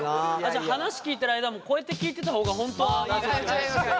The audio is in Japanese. じゃあ話聞いてる間もこうやって聞いてた方が本当はいい？